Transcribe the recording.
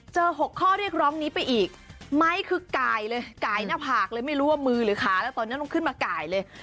๖ข้อเรียกร้องนี้ไปอีกไม้คือกายเลยกายหน้าผากเลยไม่รู้ว่ามือหรือขาแล้วตอนนั้นต้องขึ้นมากายเลย